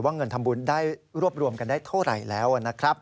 เงินทำบุญได้รวบรวมกันได้เท่าไหร่แล้วนะครับ